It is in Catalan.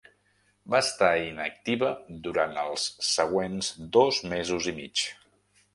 Va estar inactiva durant els següents dos mesos i mig.